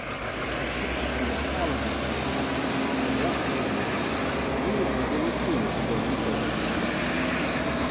"Here, get out of my way, all of you!" My breath came again; Anita nimbly retreated before Miko's angry rush.